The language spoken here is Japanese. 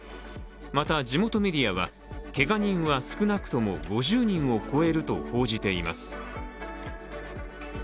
また、地元メディアは、けが人は少なくても５０人を超えると報じています。